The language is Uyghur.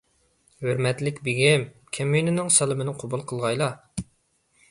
ھۆرمەتلىك بېگىم، كەمىنىنىڭ سالىمىنى قوبۇل قىلغايلا.